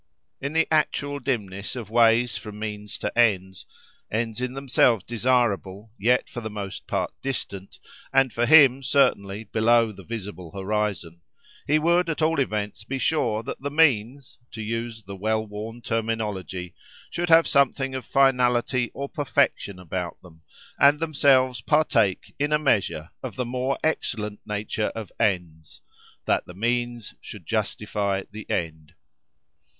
In the actual dimness of ways from means to ends—ends in themselves desirable, yet for the most part distant and for him, certainly, below the visible horizon—he would at all events be sure that the means, to use the well worn terminology, should have something of finality or perfection about them, and themselves partake, in a measure, of the more excellent nature of ends—that the means should justify the end.